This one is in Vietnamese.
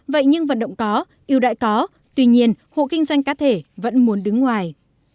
vậy nhưng vận động có yêu đại có tuy nhiên hộ kinh doanh cá thể vẫn muốn đứng ngoài